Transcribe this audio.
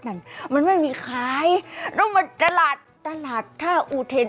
นั่นมันไม่มีขายแล้วมันตลาดตลาดท่าอุเทน